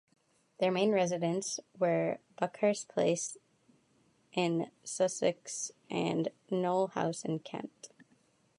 Their main residences were Buckhurst Place in Sussex and Knole House in Kent.